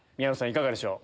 いかがでしょう？